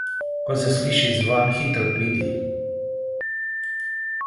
Ko zaslišiš zvon, hitro pridi.